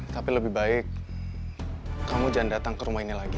tapi lebih baik kamu jangan datang ke rumah ini lagi